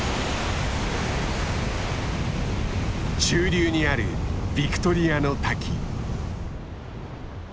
中流にあるヴィクトリアの滝。